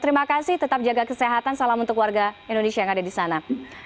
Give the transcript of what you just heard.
terima kasih tetap jaga kesehatan salam untuk warga indonesia yang ada di sana